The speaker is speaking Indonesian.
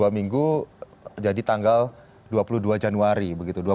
dua minggu jadi tanggal dua puluh dua januari begitu